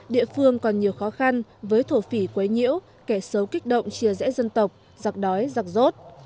địa phương còn nhiều khó khăn với thổ phỉ quấy nhiêu kẻ xấu kích động chia rẽ dân tộc giặc đói giặc rốt